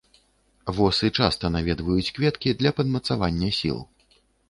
Восы часта наведваюць кветкі для падмацавання сіл.